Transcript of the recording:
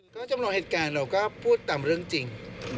ก็จำลองเหตุการณ์เราก็พูดตามเรื่องจริง